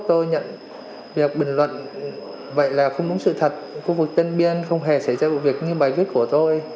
tôi nhận việc bình luận vậy là không đúng sự thật khu vực tân biên không hề xảy ra vụ việc như bài viết của tôi